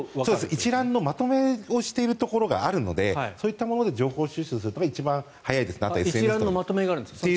一覧のまとめをしているところがあるのでそういったところで情報収集すると一番早いです。